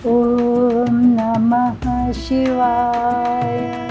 โอมนามังชิวาย